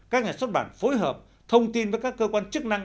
các nhà xuất bản phối hợp thông tin với các cơ quan chức năng